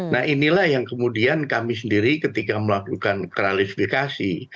nah inilah yang kemudian kami sendiri ketika melakukan klarifikasi